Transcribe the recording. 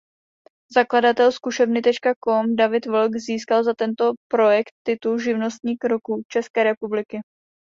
Zakladatel Zkusebny.com David Vlk získal za tento projekt titul Živnostník roku České republiky.